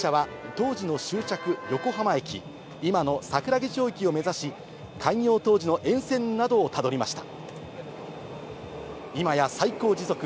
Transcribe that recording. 列車は当時の終着・横浜駅、今の桜木町駅を目指し、開業当時の沿線などをたどりました。